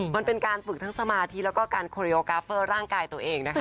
มันเป็นการฝึกทั้งสมาธิแล้วก็การโคริโอกาเฟอร์ร่างกายตัวเองนะคะ